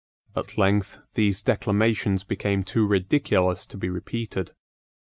At length these declamations became too ridiculous to be repeated.